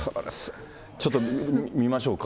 ちょっと見ましょうか。